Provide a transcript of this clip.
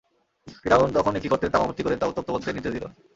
ফিরআউন তখন একটি গর্তে তামা ভর্তি করে তা উত্তপ্ত করতে নির্দেশ দিল।